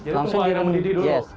jadi tunggu air mendidih dulu